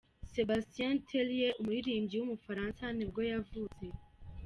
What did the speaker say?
Sébastien Tellier, umuririmbyi w’umufaransa nibwo yavutse.